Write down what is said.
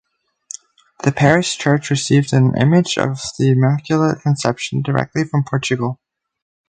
The parish church received an image of the Immaculate Conception directly from Portugal.